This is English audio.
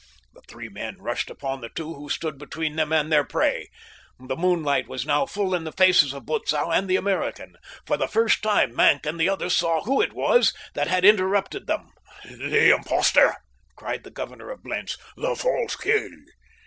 The three men rushed upon the two who stood between them and their prey. The moonlight was now full in the faces of Butzow and the American. For the first time Maenck and the others saw who it was that had interrupted them. "The impostor!" cried the governor of Blentz. "The false king!"